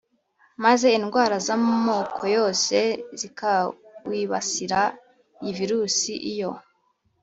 maze indwara z’amoko yose zikawibasira. Iyi virusi iyo